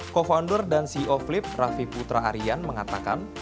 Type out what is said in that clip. co founder dan ceo flip raffi putra harian mengatakan